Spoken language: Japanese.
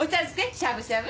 しゃぶしゃぶ？